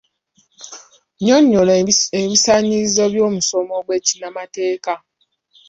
Nnyonnyola ebisaanyizo by'omusomo gw'ekinnamateeka